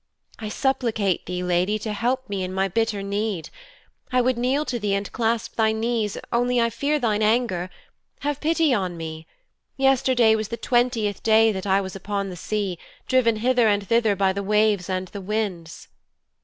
'I supplicate thee, lady, to help me in my bitter need. I would kneel to thee and clasp thy knees only I fear thine anger. Have pity upon me. Yesterday was the twentieth day that I was upon the sea, driven hither and thither by the waves and the winds.'